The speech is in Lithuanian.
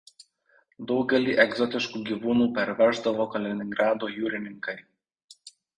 Daugelį egzotiškų gyvūnų parveždavo Kaliningrado jūrininkai.